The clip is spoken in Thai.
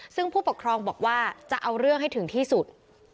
ซึ่งผู้ปกครองบอกว่าจะเอาเรื่องให้ถึงที่สุด